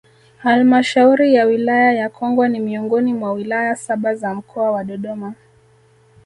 Halmashauriya Wilaya ya Kongwa ni miongoni mwa wilaya saba za mkoa wa Dodoma